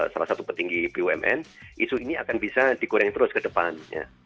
salah satu petinggi bumn isu ini akan bisa digoreng terus ke depannya